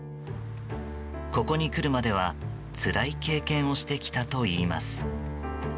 ここに来るまでは、つらい経験をしてきたといいます。